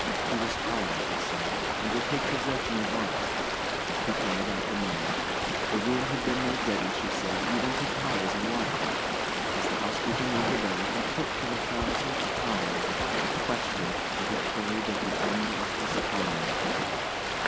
He was tired, he said, and would take possession at once. He counted out the money. The room had been made ready, she said, even to towels and water. As the housekeeper moved away he put, for the thousandth time, the question that he carried at the end of his tongue.